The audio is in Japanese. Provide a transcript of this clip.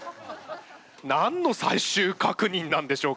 何の最終確認なんでしょうか？